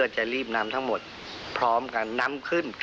แต่เจ้าจิตรีจากหมดของเราในส่วนนึงก็